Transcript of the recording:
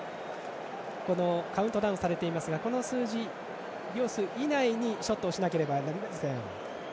カウントダウンされていますがこの数字、秒数以内にショットしなければなりません。